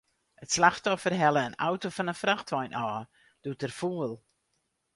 It slachtoffer helle in auto fan in frachtwein ôf, doe't er foel.